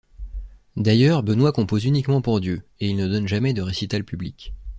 D'ailleurs, Benoît compose uniquement pour Dieu, et il ne donne jamais de récital public.